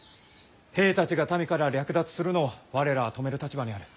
兵たちが民から略奪するのを我らは止める立場にある。